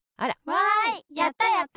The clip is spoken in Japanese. わいやったやった！